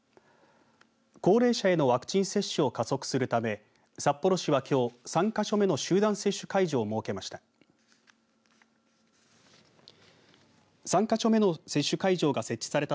高齢者へのワクチン接種を加速させるため札幌市はきょう３か所目の集団接種会場を設けました。